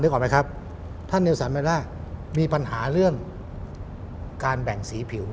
ออกไหมครับท่านเนลสันเมล่ามีปัญหาเรื่องการแบ่งสีผิว